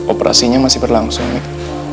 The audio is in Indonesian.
operasinya masih berlangsung mik